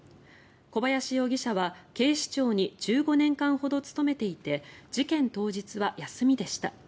小林容疑者は警視庁に１５年間ほど勤めていて事件当日は休みでした。